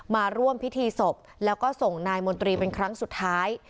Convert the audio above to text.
มาร่วมพิธีศพแล้วก็ส่งนายมนตรีเป็นครั้งสุดท้าย